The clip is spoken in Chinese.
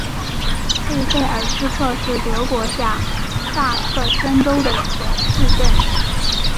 贝费尔斯特是德国下萨克森州的一个市镇。